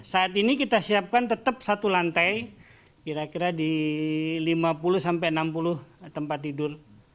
saat ini kita siapkan tetap satu lantai kira kira di lima puluh sampai enam puluh tempat tidur